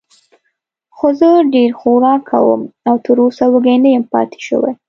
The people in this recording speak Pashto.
خو زه ډېر خوراک کوم او تراوسه وږی نه یم پاتې شوی.